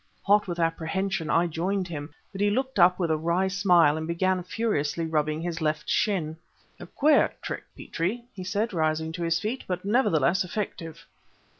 Hot with apprehension I joined him, but he looked up with a wry smile and began furiously rubbing his left shin. "A queer trick, Petrie," he said, rising to his feet; "but nevertheless effective."